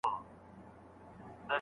جهاني د « امان » قبر راته وايي